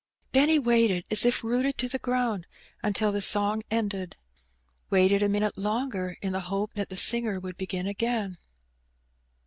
Benny waited, as if rooted to the ground, until the song ended; waited a minute longer in the hope that the singer would begin again.